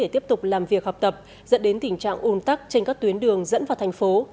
tiếp tục làm việc học tập dẫn đến tình trạng un tắc trên các tuyến đường dẫn vào thành phố